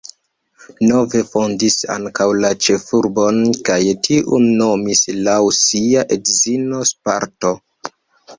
Nove fondis ankaŭ la ĉefurbon kaj tiun nomis laŭ sia edzino Sparto.